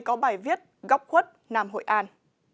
có bài viết góc khuất nam hội an